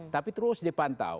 tapi terus dipantau